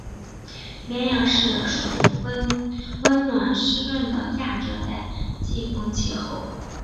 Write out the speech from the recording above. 绵阳市属温暖湿润的亚热带季风气候。